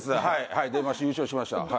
はいはい優勝しました。